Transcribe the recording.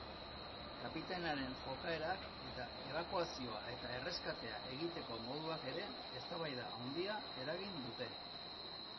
Kapitainaren jokaerak eta ebakuazioa eta erreskatea egiteko moduak ere eztabaida handia eragin dute.